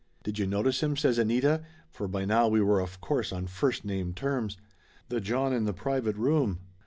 "Did you notice him?" says Anita, for by now we were of course on first name terms. "The John in the private room?"